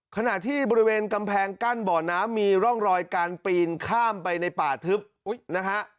ขณะที่บริเวณกำแพงกั้นบ่อน้ำมีร่องรอยการปีนข้ามไปในป่าทึบนะฮะ